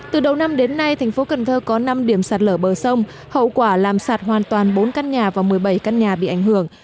từ đầu năm đến nay thành phố cần thơ có năm điểm sạt lở bờ sông hậu quả làm sạt hoàn toàn bốn căn nhà và một mươi bảy căn nhà bị ảnh hưởng